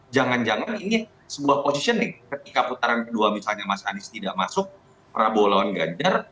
jangan jangan ini sebuah positioning ketika putaran kedua misalnya mas anies tidak masuk prabowo lawan ganjar